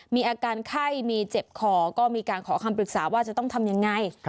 มีอาการไข้มีเจ็บคอก็มีการขอคำปรึกษาว่าจะต้องทำยังไง